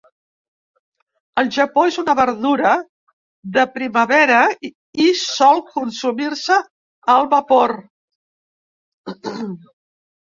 Al Japó és una verdura de primavera i sol consumir-se al vapor.